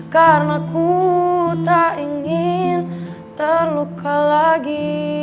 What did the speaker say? karena ku tak ingin terluka lagi